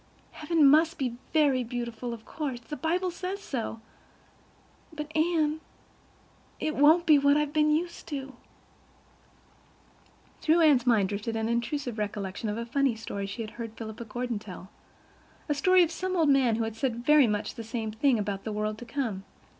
Heaven must be very beautiful, of course, the Bible says so—but, Anne, it won't be what 've been used to." Through Anne's mind drifted an intrusive recollection of a funny story she had heard Philippa Gordon tell—the story of some old man who had said very much the same thing about the world to come.